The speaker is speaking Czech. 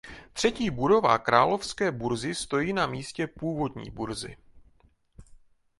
Třetí budova královské burzy stojí na místě původní burzy.